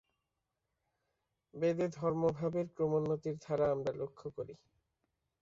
বেদে ধর্মভাবের ক্রমোন্নতির ধারা আমরা লক্ষ্য করি।